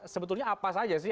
sebetulnya apa saja sih